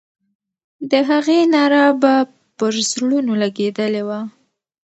د هغې ناره به پر زړونو لګېدلې وه.